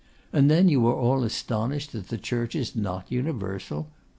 And then you are all astonished that the Church is not universal!